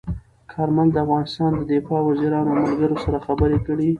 کارمل د افغانستان د دفاع وزیرانو او ملګرو سره خبرې کړي.